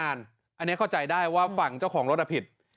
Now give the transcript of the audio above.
อันนี้เข้าใจได้ว่าฝั่งเจ้าของรถผิด